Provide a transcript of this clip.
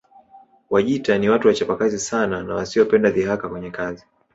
Wajita ni watu wachapakazi sana na wasiopenda dhihaka kwenye kazi